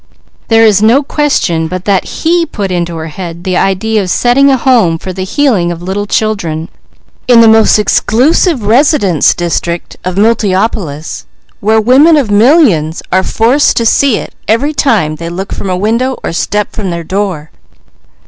There is no question but that He put into her head the idea of setting a home for the healing of little children, in the most exclusive residence district of Multiopolis, where women of millions are forced to see it every time they look from a window or step from their door.